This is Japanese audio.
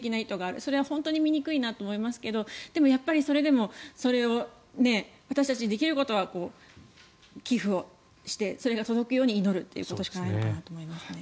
それは本当に醜いなと思いますしでもそれでも、それを私たちにできることは寄付をして、それが届くように祈るということしかないのかなと思います。